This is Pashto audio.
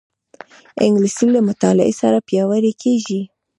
انګلیسي له مطالعې سره پیاوړې کېږي